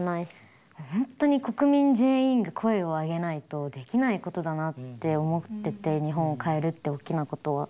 本当に国民全員が声を上げないとできないことだなって思ってて日本を変えるっておっきなことは。